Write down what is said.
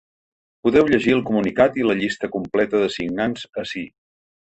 Podeu llegir el comunicat i la llista completa de signants ací.